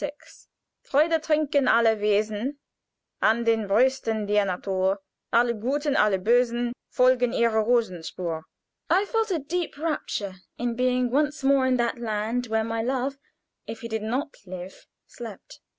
"Freude trinken alle Wesen An den Brüsten der Natur; Alle Guten, alle Bösen Folgen ihrer Rosenspur." I felt a deep rapture in being once more in that land where my love, if he did not live, slept.